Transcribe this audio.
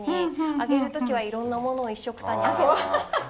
揚げる時はいろんなものをいっしょくたに揚げます。